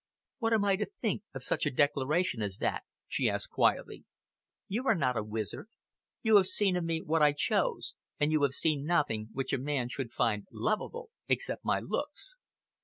"What am I to think of such a declaration as that?" she asked quietly. "You are not a wizard. You have seen of me what I chose, and you have seen nothing which a man should find lovable, except my looks."